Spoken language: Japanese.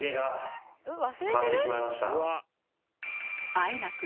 あえなく